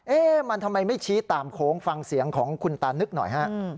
เอ๊ะมันทำไมไม่ชี้ตามโค้งฟังเสียงของคุณตานึกหน่อยฮะ